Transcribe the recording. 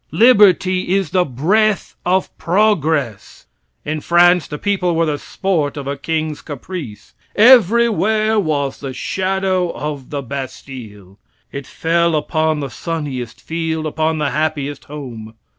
Liberty is the breath of progress. In France the people were the sport of a king's caprice. Everywhere was the shadow of the Bastille. It fell upon the sunniest field, upon the happiest home.